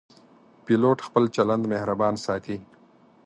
پیلوټ خپل چلند مهربان ساتي.